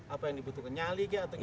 apa yang dibutuhkan nyali